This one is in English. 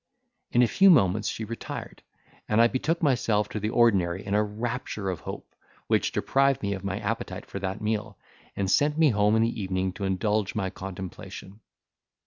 In a few moments she retired, and I betook myself to the ordinary in a rapture of hope, which deprived me of my appetite for that meal, and sent me home in the evening to indulge my contemplation.